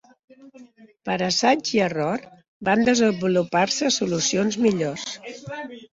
Per assaig i error, van desenvolupar-se solucions millors.